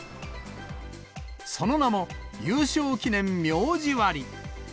その名も、優勝記念名字割。